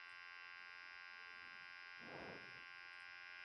Otras obras suyas fueron un "Himno a Rivadavia", "¡Viva la Patria!